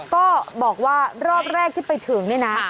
ก็บอกว่ารอบแรกที่ไปถึงนี่นะ